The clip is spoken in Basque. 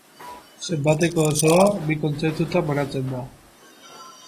Zenbateko osoa bi kontzeptutan banatzen da.